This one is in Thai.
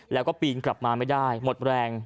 แล้วก็ปีนกลับมาไม่ได้หมดแรง